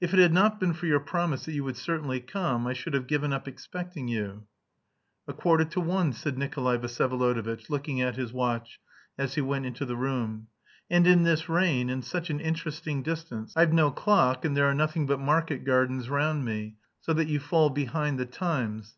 "If it had not been for your promise that you would certainly come, I should have given up expecting you." "A quarter to one," said Nikolay Vsyevolodovitch, looking at his watch, as he went into the room. "And in this rain; and such an interesting distance. I've no clock... and there are nothing but market gardens round me... so that you fall behind the times.